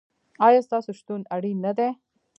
ایا ستاسو شتون اړین نه دی؟